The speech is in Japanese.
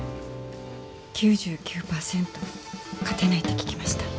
９９％勝てないって聞きました。